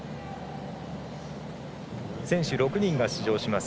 選手６人が出場します